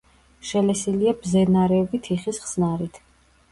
შელესილია ბზენარევი თიხის ხსნარით.